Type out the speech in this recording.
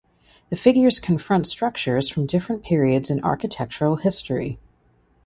The figures confront structures from different periods in architectural history.